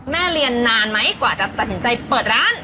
แม่เรียนนานไหมกว่าจะตัดสินใจเปิดร้าน